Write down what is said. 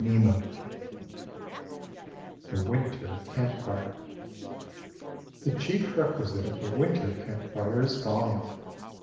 XLVII THE WINTER CAMP FIRE The chief requisite of a winter camp fire is volume.